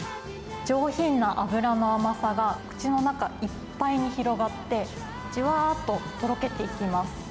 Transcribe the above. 上品な脂の甘さが、口の中いっぱいに広がって、じゅわーっととろけていきます。